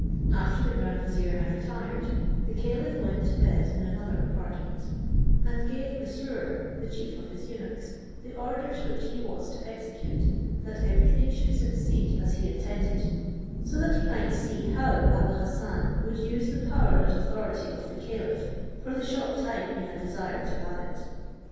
After the grand vizier had retired, the caliph went to bed in another apartment, and gave Mesrour, the chief of his eunuchs, the orders which he was to execute, that every thing should succeed as he intended, so that he might see how Abou Hassan would use the power and authority of the caliph for the short time he had desired to have it.